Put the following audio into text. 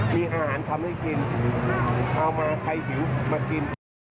มีอาหารทำให้กินเอามาใครหิวมากิน